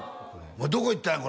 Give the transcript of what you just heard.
どこ行ったんや？